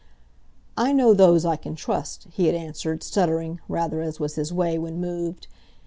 "I know those I can trust," he had answered, stuttering rather, as was his way when moved.